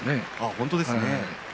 本当ですね。